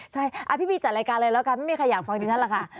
ใช่พี่บีจัดรายการเลยแล้วกันไม่มีใครอยากฟังดิฉันหรอกค่ะ